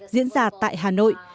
diễn ra tại hà nội